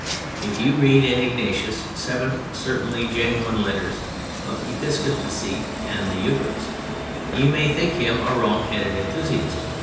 If you read (in Ignatius' seven certainly genuine letters) of Episcopacy and of the Eucharist, you may think him a wrong headed enthusiast.